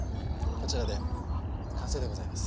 こちらで完成でございます。